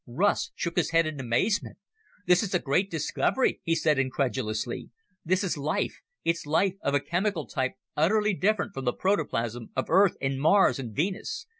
Russ shook his head in amazement. "This is a great discovery," he said incredulously. "This is life! It's life of a chemical type utterly different from the protoplasm of Earth and Mars and Venus.